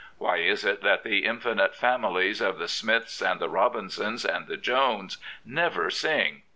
Why is it that the infinite families of the Smiths and the Robinsons and the Joneses never sing?